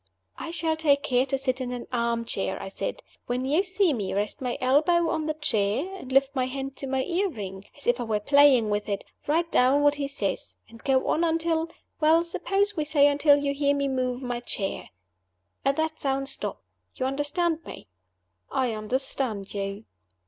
"I shall take care to sit in an arm chair," I said. "When you see me rest my elbow on the chair, and lift my hand to my earring, as if I were playing with it write down what he says; and go on until well, suppose we say, until you hear me move my chair. At that sound, stop. You understand me?" "I understand you."